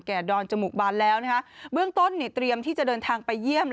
ดอนจมูกบานแล้วนะคะเบื้องต้นเนี่ยเตรียมที่จะเดินทางไปเยี่ยม